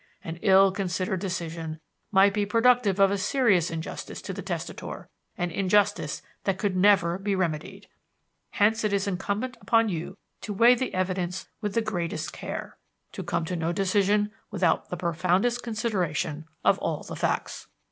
An ill considered decision might be productive of a serious injustice to the testator, an injustice that could never be remedied. Hence it is incumbent upon you to weigh the evidence with the greatest care, to come to no decision without the profoundest consideration of all the facts.